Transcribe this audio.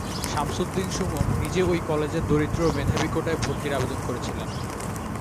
শামসুদ্দিন সুমন নিজে ওই কলেজে দরিদ্র ও মেধাবী কোটায় ভর্তির আবেদন করেছিলেন।